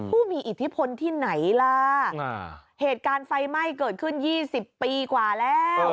ผู้มีอิทธิพลที่ไหนล่ะเหตุการณ์ไฟไหม้เกิดขึ้น๒๐ปีกว่าแล้ว